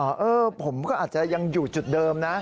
เออผมก็อาจจะยังอยู่จุดเดิมนะ